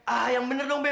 ah yang bener dong be